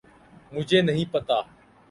مجھے نہیں پتہ۔